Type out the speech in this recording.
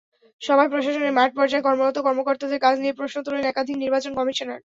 সভায় প্রশাসনের মাঠপর্যায়ে কর্মরত কর্মকর্তাদের কাজ নিয়ে প্রশ্ন তোলেন একাধিক নির্বাচন কমিশনার।